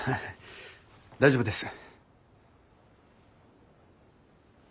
大丈夫です。